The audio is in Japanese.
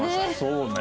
そうね。